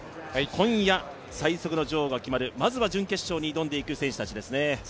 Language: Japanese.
今夜、最速の女王が決まる、まずは準決勝に挑んでいく選手たちですね。